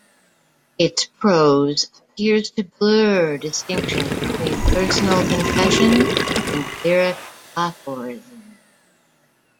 Its prose appears to blur distinctions between personal confession and lyric aphorism.